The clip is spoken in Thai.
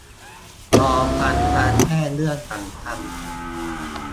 รอฟังการแจ้งเรื่องสำคัญ